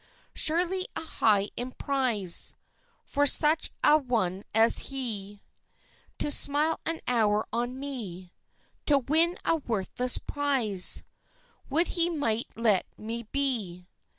Surely a high emprise For such an one as he To smile an hour on me To win a worthless prize, Would he might let me be!